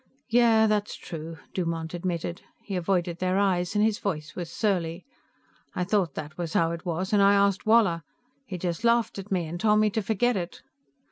"Yeah, that's true," Dumont admitted. He avoided their eyes, and his voice was surly. "I thought that was how it was, and I asked Woller. He just laughed at me and told me to forget it."